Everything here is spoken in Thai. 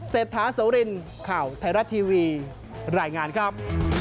เศรษฐาโสรินข่าวไทยรัฐทีวีรายงานครับ